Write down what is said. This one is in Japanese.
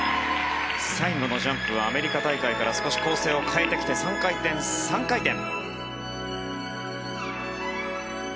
最後のジャンプはアメリカ大会から少し構成を変えてきて３回転、３回転。